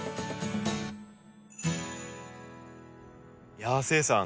いやあ誓さん